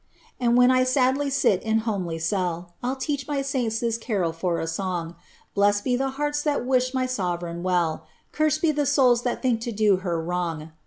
And when I sadly sit in homely cell, m teach my saints this carol for a song : Blest be the hearts that wish my sovereign well, Cursed be the souls that think to do her wrong